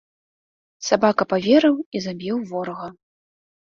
Сабака паверыў і забіў ворага.